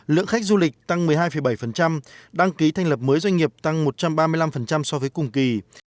lượng khách du lịch tăng một mươi hai bảy đăng ký thành lập mới doanh nghiệp tăng một trăm ba mươi năm so với cùng kỳ